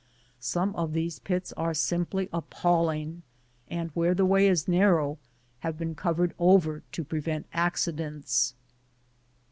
Some of these pits are simply appalling, and where the way is narrow, have been covered over to prevent accidents.